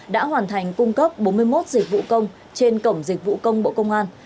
đã hoàn thành cung cấp bốn mươi một dịch vụ công trên cổng dịch vụ công bộ công an